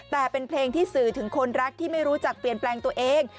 แต่เป็นเพลงที่สื่อถึงคนรักที่ไม่รู้จักเปลี่ยนแปลงตัวเอง